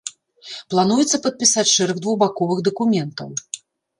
Плануецца падпісаць шэраг двухбаковых дакументаў.